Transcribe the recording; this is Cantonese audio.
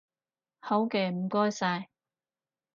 好嘅，唔該晒